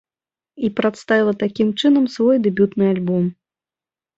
І прадставіла такім чынам свой дэбютны альбом.